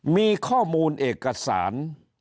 มีข้อมูลเอกสาร